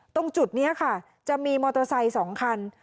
ตรงจุดนี้ค่ะจะมีมอเตอร์ไซค์๒คัน